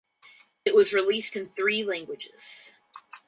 It was released in three languages.